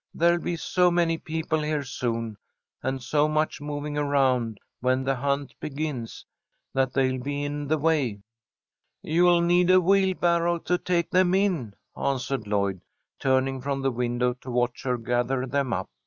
"There'll be so many people here soon, and so much moving around when the hunt begins, that they'll be in the way." "You'll need a wheelbarrow to take them in," answered Lloyd, turning from the window to watch her gather them up.